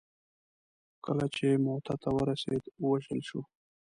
کله چې موته ته ورسېد ووژل شو.